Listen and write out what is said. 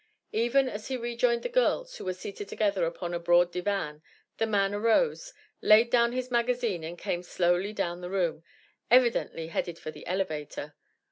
Even as he rejoined the girls, who were seated together upon a broad divan, the man arose, laid down his magazine and came slowly down the room, evidently headed for the elevator.